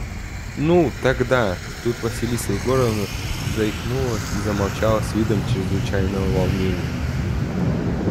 – Ну, тогда… – Тут Василиса Егоровна заикнулась и замолчала с видом чрезвычайного волнения.